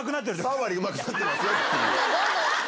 ３割うまくなってますよっていう。